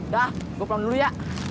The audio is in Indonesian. dah gue pulang dulu ya